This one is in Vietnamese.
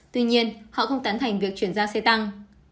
tuy nhiên họ không tán thành việc chuyển giao xe tăng